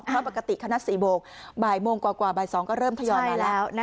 เพราะปกติคณะ๔โมงบ่ายโมงกว่าบ่าย๒ก็เริ่มทยอยมาแล้ว